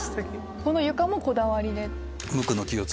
この床もこだわりで？